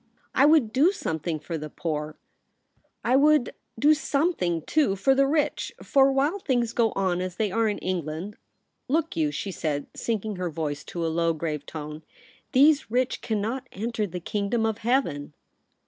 I would do something for the poor. I would 84 THE REBEL ROSE. do something, too^^jfor the rich; for while things go on as they are in England — look you/ she said, sinking her voice to a low, grave tone, ' these rich cannot enter the Kingdom of Heaven.'